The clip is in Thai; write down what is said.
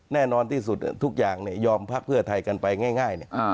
แน่นอนที่สุดทุกอย่างยอมพักเพื่อไทยกันไปง่าย